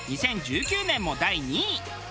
２０１９年も第２位。